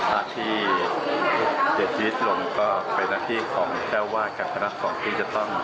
สมทะที่หลีกร่วมก็ไปหน้าที่ของเจ้าว่ากับพนักภาคนที่จะต้อง